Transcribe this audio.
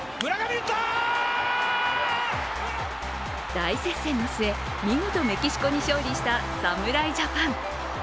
大接戦の末、見事メキシコに勝利した侍ジャパン。